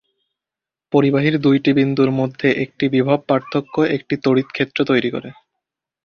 পরিবাহীর দুটি বিন্দুর মধ্যে একটি বিভব পার্থক্য একটি তড়িৎ ক্ষেত্র তৈরি করে।